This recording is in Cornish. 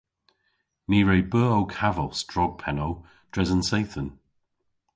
Ni re beu ow kavos drog pennow dres an seythen.